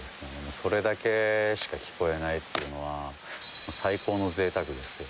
それだけしか聞こえないっていうのは、最高のぜいたくですよね。